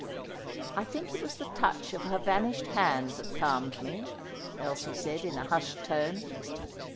"I think it was the touch of her vanished hand that calmed me," Elsie said in a hushed tone.